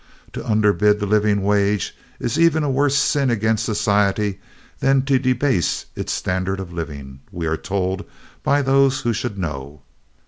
To underbid the living wage is even a worse sin against society than to "debase its standard of living," we are told by those who should know.